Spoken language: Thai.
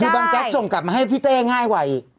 คือบางแจ๊กส่งกลับมาให้พี่เต้ง่ายไหว